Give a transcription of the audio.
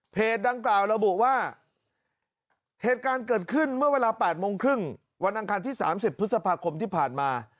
ดังกล่าวระบุว่าเหตุการณ์เกิดขึ้นเมื่อเวลา๘โมงครึ่งวันอังคารที่๓๐พฤษภาคมที่ผ่านมา